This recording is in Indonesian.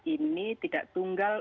ini tidak tunggal